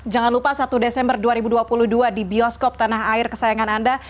jangan lupa satu desember dua ribu dua puluh dua di bioskop tanah air kesayangan anda